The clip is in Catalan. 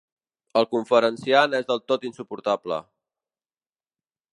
El conferenciant és del tot insuportable.